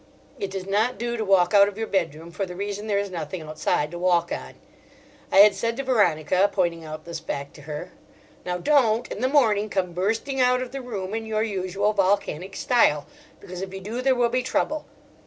It does not do to walk out of your bedroom, for the reason there is nothing outside to walk on. I had said to Veronica, pointing out this fact to her: "Now don't, in the morning, come bursting out of the room in your usual volcanic style, because if you do there will be trouble.